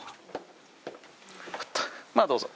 まあどうぞ。